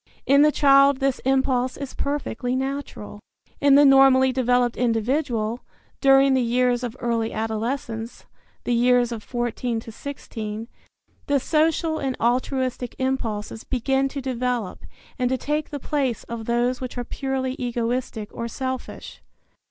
In the child this impulse is perfectly natural. In the normally developed individual, during the years of early adolescence (the years of 14 to 16) the social and altruistic impulses begin to develop and to take the place of those which are purely egoistic or selfish.